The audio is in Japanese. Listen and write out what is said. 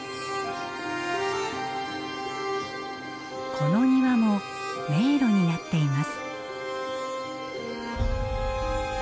この庭も迷路になっています。